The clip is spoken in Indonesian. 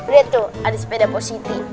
lihat tuh ada sepeda positif